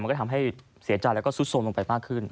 มันก็ทำให้เสียใจล่ะแล้วก็ซุดซมลงไปมากขึ้น